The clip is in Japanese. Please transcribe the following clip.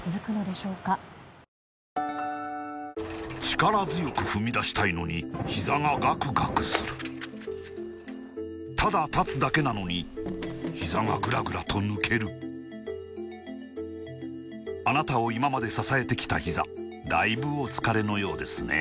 力強く踏み出したいのにひざがガクガクするただ立つだけなのにひざがグラグラと抜けるあなたを今まで支えてきたひざだいぶお疲れのようですね